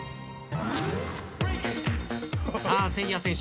さあせいや選手。